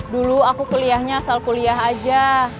dulu aku kuliahnya asal kuliah aja